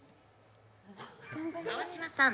川島さん